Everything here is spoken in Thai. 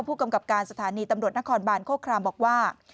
ผู้กำกับการสถานีตำรวจนครบานโคครามบอกว่า